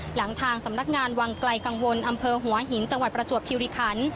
หลังทางสำนักงานวังไกลกังวลอำเภอหัวหินจังหวัดประจวบคิริคัน